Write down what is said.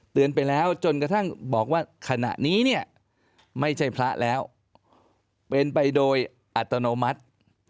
ที่นี่เนี่ยไม่ใช่พระแล้วเป็นไปโดยอัตโนมัติ